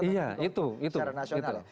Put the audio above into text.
tapi untuk secara nasional